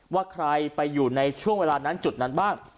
ว่าใครไปอยู่ในช่วงเวลานั้นจุดนั้นบ้าง